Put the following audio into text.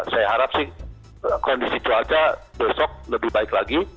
saya harap sih kondisi cuaca besok lebih baik lagi